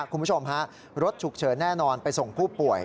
คุณผู้ชมฮะรถฉุกเฉินแน่นอนไปส่งผู้ป่วย